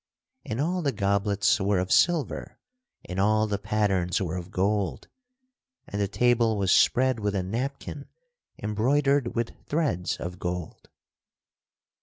And all the goblets were of silver and all the pattens were of gold, and the table was spread with a napkin embroidered with threads of gold.